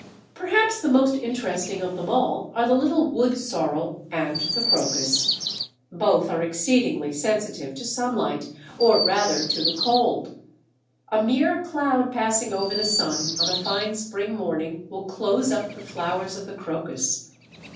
Perhaps the most interesting of them all are the little Woodsorrel and the Crocus. Both are exceedingly sensitive to sunlight, or rather to the cold. A mere cloud passing over the sun on a fine spring morning will close up the flowers of the Crocus.